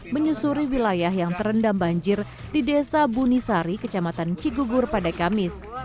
menyusuri wilayah yang terendam banjir di desa bunisari kecamatan cigugur pada kamis